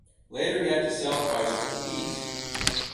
Later he had to sell the bicycle to eat.